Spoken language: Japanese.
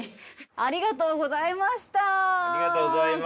ありがとうございます！